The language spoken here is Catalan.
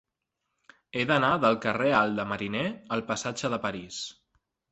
He d'anar del carrer Alt de Mariner al passatge de París.